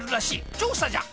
調査じゃ！